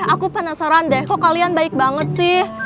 aku penasaran deh kok kalian baik banget sih